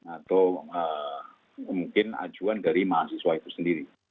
atau mungkin ajuan dari mahasiswa itu sendiri